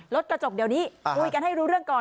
รถกระจกเดี๋ยวนี้คุยกันให้รู้เรื่องก่อน